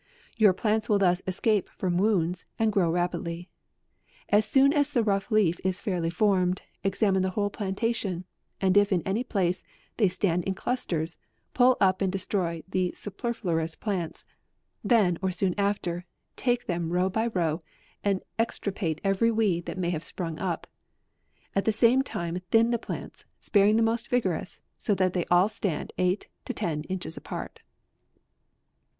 Your plants will thus escape from wounds, and grow rapidly. As soon as the rough leaf is fairly formed, examine the whole plantation, and if in any place, they stand in clusters, puil up and destroy the superfluous plants; then, or soon after, take them row by row, and extirpate every weed that may have sprung up; at the same time thin the plants, sparing the most vigorous, so that all stand eight or ten inches apart.